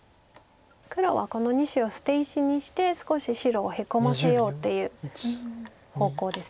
黒はこの２子を捨て石にして少し白をヘコませようっていう方向です。